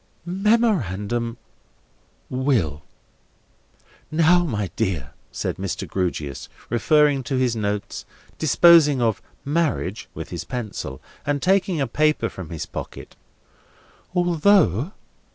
"Memorandum, 'Will.' Now, my dear," said Mr. Grewgious, referring to his notes, disposing of "Marriage" with his pencil, and taking a paper from his pocket; "although.